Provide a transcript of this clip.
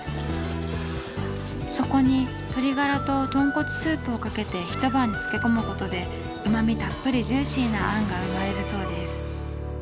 そこに鶏ガラと豚骨スープをかけて一晩漬け込むことでうま味たっぷりジューシーなあんが生まれるそうです。